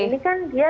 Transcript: ini kan dia